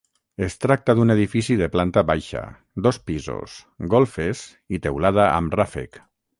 Es tracta d'un edifici de planta baixa, dos pisos, golfes i teulada amb ràfec.